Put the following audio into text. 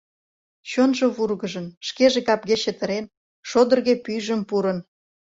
Чонжо вургыжын, шкеже капге чытырен, шодырге пӱйжым пурын.